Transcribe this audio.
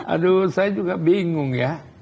aduh saya juga bingung ya